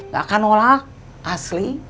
gak akan nolak asli